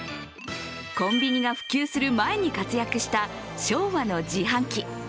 コンビニが普及する前に活躍した昭和の自販機。